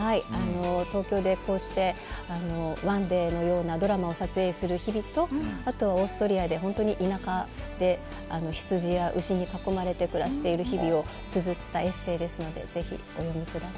東京で、こうして「ＯＮＥＤＡＹ」のようなドラマを撮影する日々とあとオーストリアで本当に田舎で、ヒツジや牛に囲まれて暮らしている日々をつづったエッセーですのでぜひお読みください。